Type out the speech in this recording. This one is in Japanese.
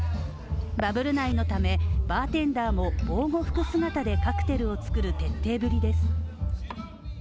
バブル内のため、バーテンダーも防護服姿でカクテルを作る徹底ぶりです。